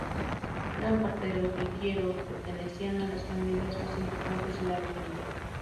Gran parte de los vidrieros pertenecían a las familias más importantes de la localidad.